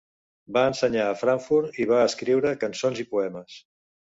Va ensenyar a Frankfurt i va escriure cançons i poemes.